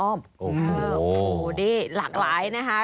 โอ้โฮดิหลากหลายนะคะ